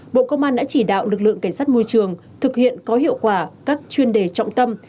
bộ công an đã chỉ đạo lực lượng cảnh sát môi trường thực hiện có hiệu quả các chuyên đề trọng tâm